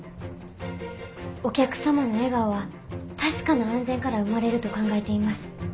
お客様の笑顔は確かな安全から生まれると考えています。